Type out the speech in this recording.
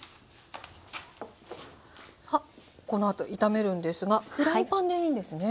さあこのあと炒めるんですがフライパンでいいんですね。